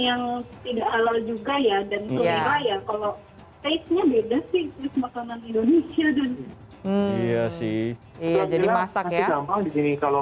yang tidak halal juga ya dan kalau makanan indonesia dan iya sih jadi masak ya kalau